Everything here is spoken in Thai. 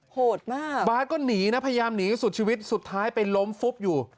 โหดมากบาทก็หนีนะพยายามหนีสุดชีวิตสุดท้ายไปล้มฟุบอยู่